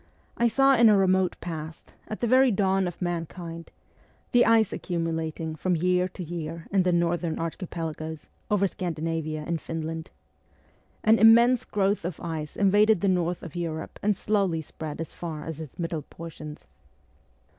I saw in a remote past, at the very dawn of mankind, the ice accumu lating from year to year in the northern archipelagoes, over Scandinavia and Finland. An immense growth of ice invaded the north of Europe and slowly spread as far as its middle portions.